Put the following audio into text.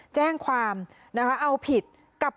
แจ้งความเอาผิดกับ